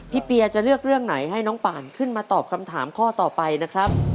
เปียจะเลือกเรื่องไหนให้น้องป่านขึ้นมาตอบคำถามข้อต่อไปนะครับ